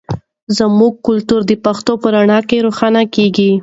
زموږ کلتور د پښتو په رڼا کې روښانه کیږي.